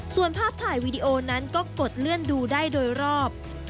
ส่วนภาพถ่ายวีดีโอนั้นก็กดเลื่อนดูได้โดยรอบ